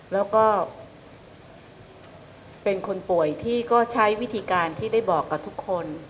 แล้วก็เป็นคนป่วยที่ก็ใช้วิธีการที่ได้บอกกับทุกคน